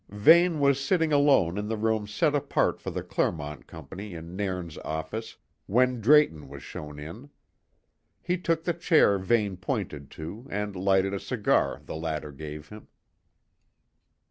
Vane was sitting alone in the room set apart for the Clermont Company in Nairn's office, when Drayton was shown in. He took the chair Vane pointed to and lighted a cigar the latter gave him.